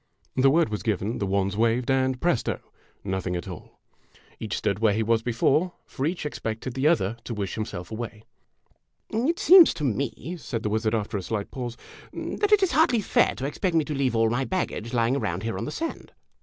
The word was given, the wands waved, and, presto! nothing at all ! Each stood where he was before, for each expected the other to wish himself away. " It seems to me," said the wizard, after a slight pause, "that it is hardly fair to expect me to leave all my baggage lying around here on the sand